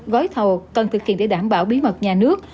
gói thầu cần thực hiện để đảm bảo bí mật nhà nước